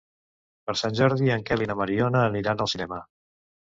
Per Sant Jordi en Quel i na Mariona aniran al cinema.